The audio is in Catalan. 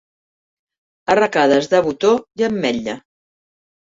Arracades de botó i ametlla.